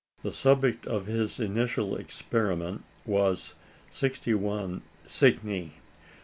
The subject of his initial experiment was 61 Cygni.